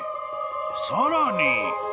［さらに］